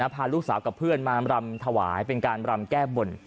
พาลูกสาวกับเพื่อนมารำถวายเป็นการรำแก้บน